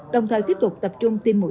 đồng thời tiếp tục tập trung tiêm mũi hai